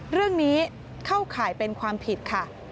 เรื่องนี้เข้าข่ายเป็นความผิดค่ะ